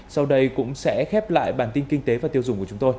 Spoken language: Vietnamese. sau đây cũng sẽ khép lại bản tin kinh tế và tiêu dụng